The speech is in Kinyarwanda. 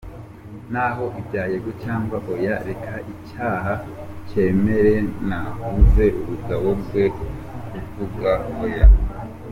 Naho ibya yego cyangwa oya, reka icyaha nkemere, nabuze ubugabo bwo kuvuga oya!!!